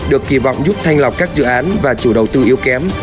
được kỳ vọng giúp thanh lọc các dự án và chủ đầu tư yếu kém